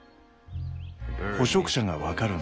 捕食者が分かるんだ。